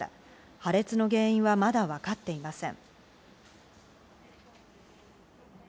破裂の原因は、まだ分かっていません。